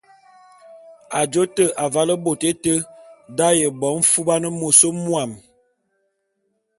Ajô te, avale môt éte d’aye bo mfuban môs mwuam.